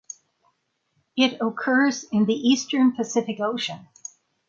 It occurs in the eastern Pacific Ocean.